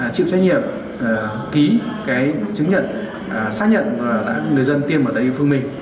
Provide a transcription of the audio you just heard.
chịu trách nhiệm ký cái chứng nhận xác nhận người dân tiêm ở địa phương mình